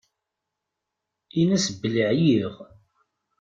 Inn-as belli ɛyiɣ.